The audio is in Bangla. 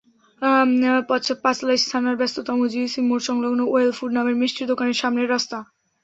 পাঁচলাইশ থানার ব্যস্ততম জিইসি মোড়সংলগ্ন ওয়েল ফুড নামের মিষ্টির দোকানের সামনের রাস্তা।